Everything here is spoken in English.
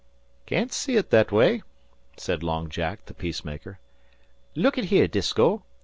"Can't see ut that way," said Long Jack, the peacemaker "Look at here, Disko!